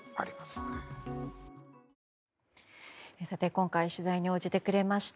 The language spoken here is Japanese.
今回取材に応じてくれました